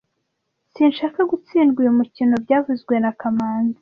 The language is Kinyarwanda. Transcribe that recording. Sinshaka gutsindwa uyu mukino byavuzwe na kamanzi